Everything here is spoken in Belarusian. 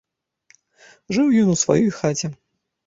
Жыў ён у сваёй хаце.